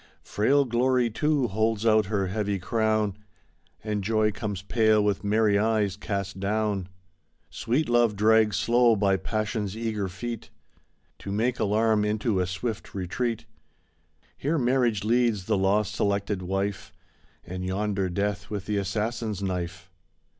Frail Glory, too, holds out her heavy crown. And Joy comes pale with merry eyes cast down. Sweet Love drags slow by passion's eager feet To make alarm into a swift retreat. Here Marriage leads the law selected wife. And yonder Death with the assassin's knife."